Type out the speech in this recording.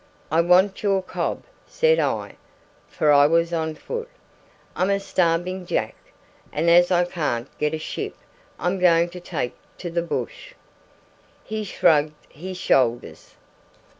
"'I want your cob,' said I (for I was on foot); 'I'm a starving Jack, and as I can't get a ship I'm going to take to the bush.' "He shrugged his shoulders.